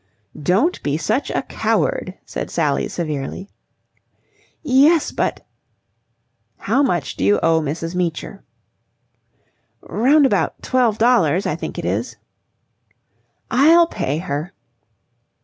"Don't be such a coward," said Sally, severely. "Yes, but..." "How much do you owe Mrs. Meecher?" "Round about twelve dollars, I think it is." "I'll pay her."